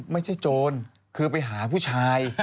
ไม่ใช่โจรคือไปหาผู้ชาย